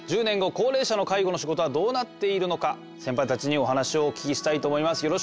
１０年後高齢者の介護の仕事はどうなっているのかセンパイたちにお話をお聞きしたいと思います。